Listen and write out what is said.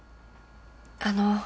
あの。